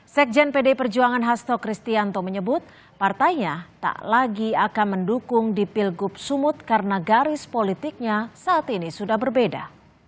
sekjen pdi perjuangan hasto kristianto menyebut partainya tak lagi akan mendukung di pilgub sumut karena garis politiknya saat ini sudah berbeda